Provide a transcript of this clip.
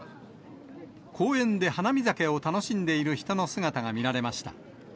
公園で花見酒を楽しんでいる人の姿が見られました。